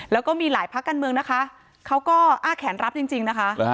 แล้วก็มีหลายภาคการเมืองนะคะเขาก็อ้าแขนรับจริงนะคะ